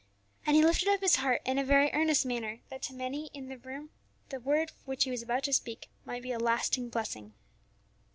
And he lifted up his heart in very earnest prayer, that to many in that room the Word which he was about to speak might be a lasting blessing.